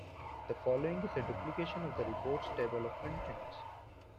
The following is a duplication of the report's table of contents.